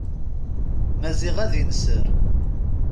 Maziɣ ad inser.